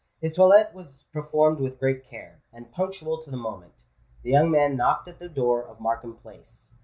His toilette was performed with great care; and, punctual to the moment, the young man knocked at the door of Markham Place.